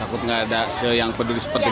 aku tidak ada yang peduli seperti itu